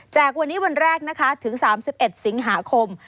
วันนี้วันแรกนะคะถึง๓๑สิงหาคม